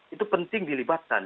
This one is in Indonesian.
itu penting dilibatkan